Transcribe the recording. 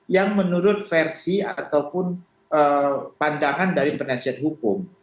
yang menurut versi ataupun pandangan dari penasihat hukum